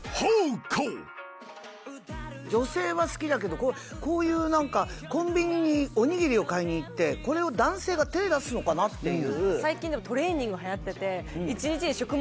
女性は好きだけどこういうなんかコンビニにおにぎりを買いに行ってこれを男性が手出すのかな？っていう。